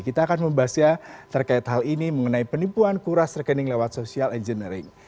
kita akan membahasnya terkait hal ini mengenai penipuan kuras rekening lewat social engineering